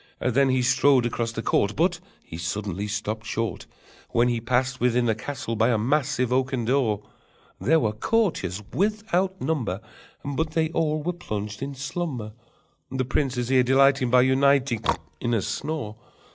Then he strode across the court, But he suddenly stopped short When he passed within the castle by a massive oaken door: There were courtiers without number, But they all were plunged in slumber, The prince's ear delighting By uniting In a snore.